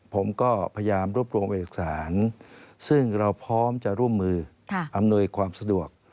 ผมก็พยายามรวบรวมเอกสารซึ่งเราพร้อมจะร่วมมืออำนวยความสะดวก